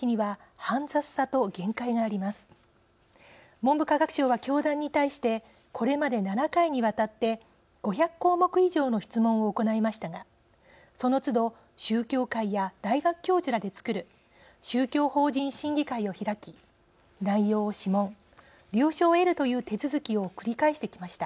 文部科学省は教団に対してこれまで７回にわたって５００項目以上の質問を行いましたがそのつど宗教界や大学教授らでつくる宗教法人審議会を開き内容を諮問了承を得るという手続きを繰り返してきました。